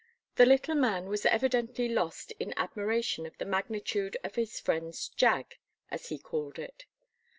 The little man was evidently lost in admiration of the magnitude of his friend's 'jag,' as he called it.